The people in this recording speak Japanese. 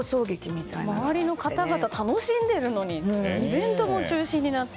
周りの方々、楽しんでいるのにイベントも中止になって。